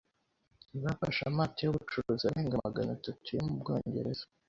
Bafashe amato y’ubucuruzi arenga magana atatu yo mu Bwongereza. .